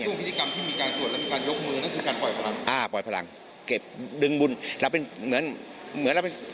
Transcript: หญ้าสงวนพิทยศมีการจวดและมีการยกมือคือทำพลัง